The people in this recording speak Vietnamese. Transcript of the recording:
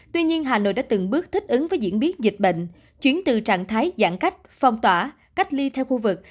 tuy nhiên hà nội đã từng bước thích ứng với diễn biến dịch bệnh chuyển từ trạng thái giãn cách phong tỏa cách ly theo khu vực